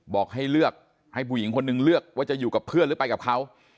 บอกให้เลือกให้ผู้หญิงคนนึงเลือกว่าจะอยู่กับเพื่อนหรือไปกับเขา